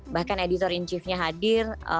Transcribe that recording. bahkan editor in chiefnya hadir